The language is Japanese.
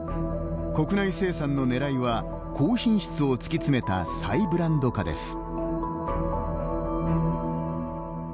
国内生産のねらいは高品質を突き詰めた再ブランド化です。